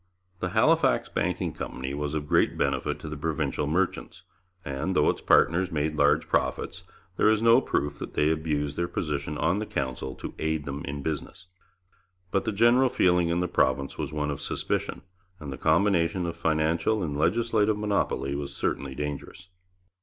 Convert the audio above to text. The Halifax Banking Company was of great benefit to the provincial merchants, and, though its partners made large profits, there is no proof that they abused their position on the Council to aid them in business. But the general feeling in the province was one of suspicion, and the combination of financial and legislative monopoly was certainly dangerous.